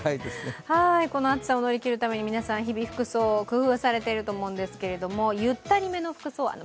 この暑さを乗り切るために皆さん日々、服装を工夫されてると思うんですけれどもゆったり目の服装で。